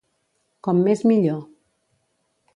Com més millor.